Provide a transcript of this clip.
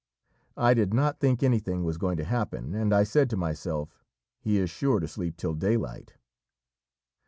I did not think anything was going to happen, and I said to myself, 'He is sure to sleep till daylight.'